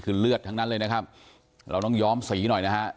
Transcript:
คือเลือดทั้งนั้นเลยนะครับเราต้องย้อมสีหน่อยนะฮะ